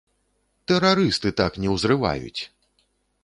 Тэрарысты так не узрываюць!